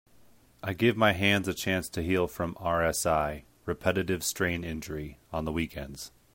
I give my hands a chance to heal from RSI (Repetitive Strain Injury) on the weekends.